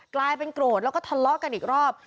กลายเป็นโกรธแล้วก็ทะเลาะกันอีกรอบ